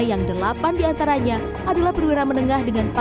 yang delapan diantaranya adalah perwira menengah dengan